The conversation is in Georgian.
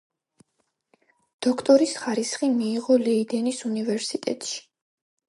დოქტორის ხარისხი მიიღო ლეიდენის უნივერსიტეტში.